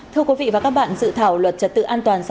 thưa quý vị và các bạn dự thảo luật trật tự an toàn